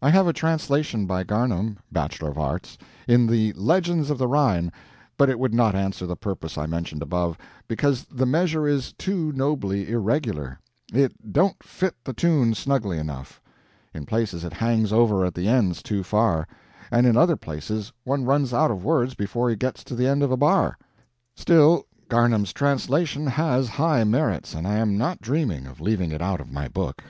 I have a translation by Garnham, Bachelor of Arts, in the LEGENDS OF THE RHINE, but it would not answer the purpose I mentioned above, because the measure is too nobly irregular; it don't fit the tune snugly enough; in places it hangs over at the ends too far, and in other places one runs out of words before he gets to the end of a bar. Still, Garnham's translation has high merits, and I am not dreaming of leaving it out of my book.